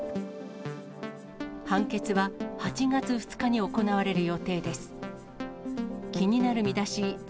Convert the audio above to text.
判決は８月２日に行われる予定です。